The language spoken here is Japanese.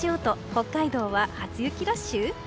北海道は初雪ラッシュ？